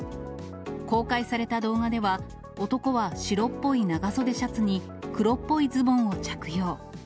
公開された動画では、男は白っぽい長袖シャツに、黒っぽいズボンを着用。